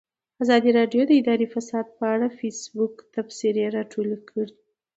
ازادي راډیو د اداري فساد په اړه د فیسبوک تبصرې راټولې کړي.